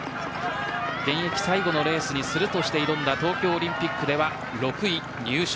現役最後のレースにするとして挑んだ東京オリンピックでは６位入賞。